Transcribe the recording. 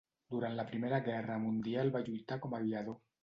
Durant la Primera Guerra Mundial va lluitar com a aviador.